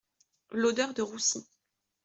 L’odeur de roussi.